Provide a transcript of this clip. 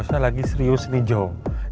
saya lagi serius nih jo